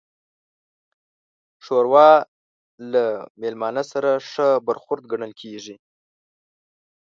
ښوروا له میلمانه سره ښه برخورد ګڼل کېږي.